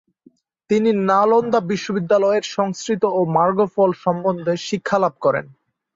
তিনি নালন্দা বিশ্ববিদ্যালয়ে সংস্কৃত ও মার্গফল সম্বন্ধে শিক্ষালাভ করেন।